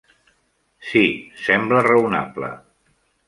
Sí, sembla raonable.